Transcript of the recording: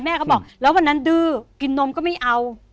เขาบอกแล้ววันนั้นดื้อกินนมก็ไม่เอา